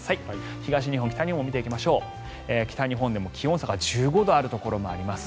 東日本、北日本見ていきましょう北日本でも気温差が１５度あるところもあります。